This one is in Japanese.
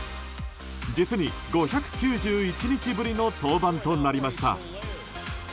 実に５９１日ぶりの登板となりました。